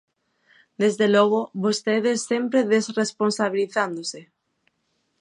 Desde logo, vostedes sempre desresponsabilizándose.